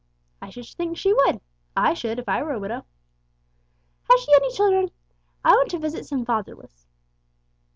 "I should think she would. I should, if I were a widow." "Has she any children? I want to visit some fatherless."